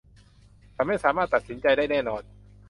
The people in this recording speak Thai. ฉันไม่สามารถตัดสินใจได้แน่นอน